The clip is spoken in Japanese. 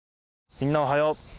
みんなおはよう。